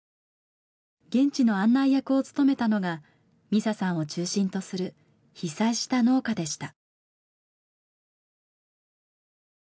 現地の案内役を務めたのが美佐さんを中心とする被災した農家でした。